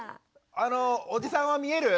おじさんは見える？